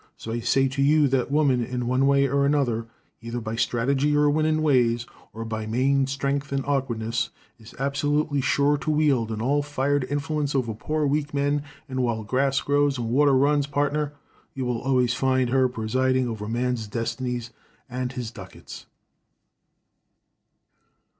So I say to you that woman, in one way or another, either by strategy and winnin' ways or by main strength and awkwardness, is absolutely sure to wield an all fired influence over poor, weak man, and while grass grows and water runs, pardner, you will always find her presiding over man's destinies and his ducats."